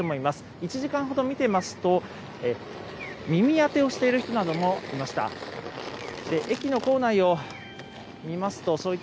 １時間ほど見ていますと、耳当てをしている人などもいました。